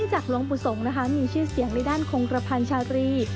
หลวงปุศงศรีมีชื่อเสียงละด้านโครงกระพันธุ์ชาวรี